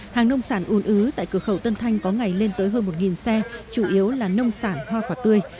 hàng nông sản ùn ứ tại cửa khẩu tân thanh có ngày lên tới hơn một xe chủ yếu là nông sản hoa quả tươi